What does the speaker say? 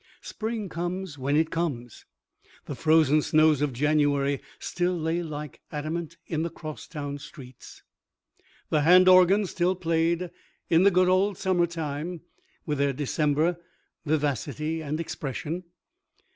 Spring comes when it comes. The frozen snows of January still lay like adamant in the crosstown streets. The hand organs still played "In the Good Old Summertime," with their December vivacity and expression.